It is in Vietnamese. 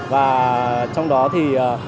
và trong đó thì